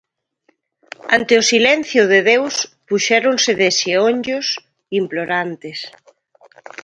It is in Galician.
Ante o silencio de Deus, puxéronse de xeonllos, implorantes.